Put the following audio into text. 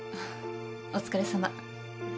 お疲れさま。